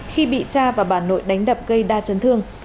khi bị cha và bà nội đánh đập gây đa chấn thương